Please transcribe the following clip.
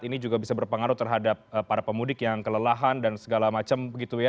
ini juga bisa berpengaruh terhadap para pemudik yang kelelahan dan segala macam gitu ya